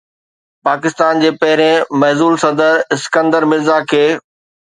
پاڪستان جي پهرين معزول صدر اسڪندر مرزا کي